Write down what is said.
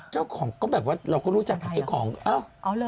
เจ้าของก็แบบว่าเราก็รู้จักกับเจ้าของอ้าว